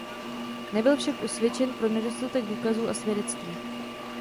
Nebyl však usvědčen pro nedostatek důkazů a svědectví.